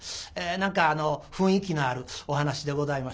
何か雰囲気のあるお噺でございまして。